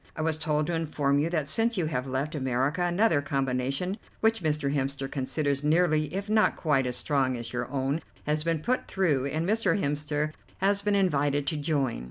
I was told to inform you that since you have left America another combination which Mr. Hemster considers nearly if not quite as strong as your own has been put through, and Mr. Hemster has been invited to join.